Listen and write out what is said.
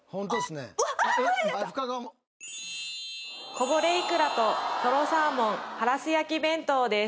こぼれイクラととろサーモンハラス焼き弁当です。